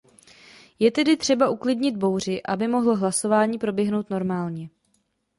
Je tedy třeba uklidnit bouři, aby mohlo hlasování proběhnout normálně.